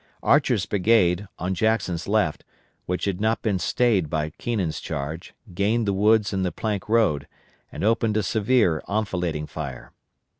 Archer's brigade, on Jackson's left, which had not been stayed by Keenan's charge, gained the woods and the Plank Road, and opened a severe enfilading fire.